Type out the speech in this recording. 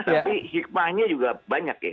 tapi hikmahnya juga banyak ya